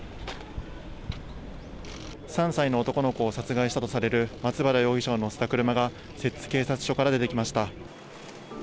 ３歳の男の子を殺害したとされる松原容疑者を乗せた車が摂津警察署から出てきました。